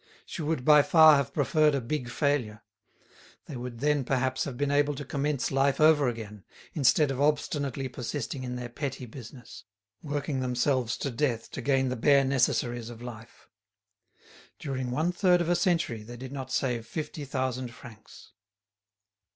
She would, by far, have preferred a big failure. They would then, perhaps, have been able to commence life over again, instead of obstinately persisting in their petty business, working themselves to death to gain the bare necessaries of life. During one third of a century they did not save fifty thousand francs.